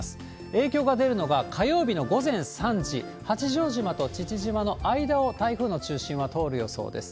影響が出るのが火曜日の午前３時、八丈島と父島の間を台風の中心は通る予想です。